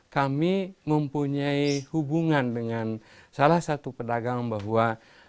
kami mempunyai hubungan dengan salah satu pedagang bahwa